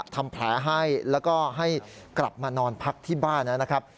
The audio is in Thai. ทำแผลให้แล้วก็ให้กลับมานอนพักที่บ้านนะครับ